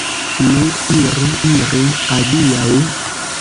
Nu iru, iru, adiaŭ!